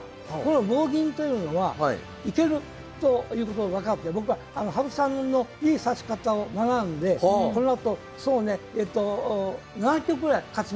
棒銀というのはいける」ということを分かって僕は羽生さんのいい指し方を学んでこのあとそうねえっと７局くらい勝ちました。